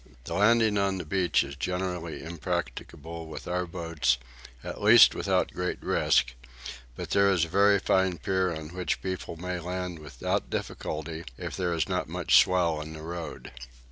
The landing on the beach is generally impracticable with our own boats, at least without great risk; but there is a very fine pier on which people may land without difficulty if there is not much swell in the road.